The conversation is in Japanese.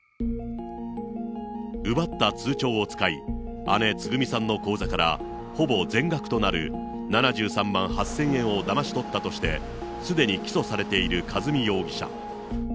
奪った通帳を使い、姉、つぐみさんの口座からほぼ全額となる７３万８０００円をだまし取ったとして、すでに起訴されている和美容疑者。